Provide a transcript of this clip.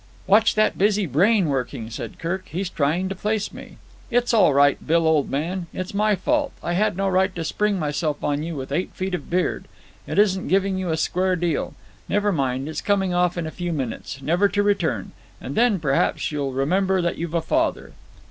"Watch that busy brain working," said Kirk. "He's trying to place me. It's all right, Bill, old man; it's my fault. I had no right to spring myself on you with eight feet of beard. It isn't giving you a square deal. Never mind, it's coming off in a few minutes, never to return, and then, perhaps, you'll remember that you've a father."